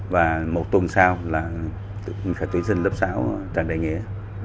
và một tuần sau là phải tuyển sinh lớp sáu trần đại nghĩa